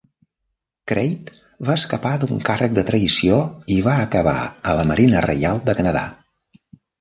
Crate va escapar d'un càrrec de traïció i va acabar a la Marina Reial de Canadà.